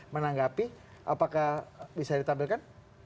menanggapi apakah bisa ditampilkan